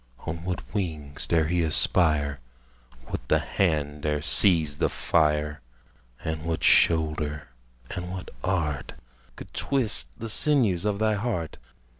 On what wings dare he aspire? What the hand dare seize the fire? And what shoulder and what art Could twist the sinews of thy heart?